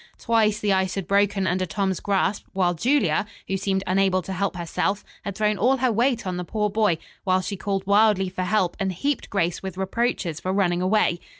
Twice the ice had broken under Tom's grasp, while Julia, who seemed unable to help herself, had thrown all her weight on the poor boy, while she called wildly for help and heaped Grace with reproaches for running away.